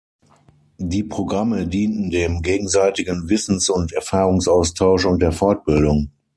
Die Programme dienten dem gegenseitigen Wissens- und Erfahrungsaustausch und der Fortbildung.